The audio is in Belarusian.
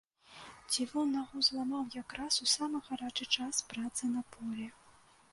Цівун нагу зламаў якраз у самы гарачы час працы на полі.